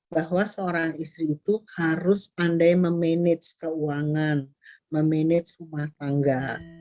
bahwa seorang istri itu harus pandai memanage keuangan memanage rumah tangga